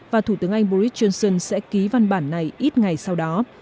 và thủ tướng anh boris johnson sẽ ký văn bản này ít ngày sau đó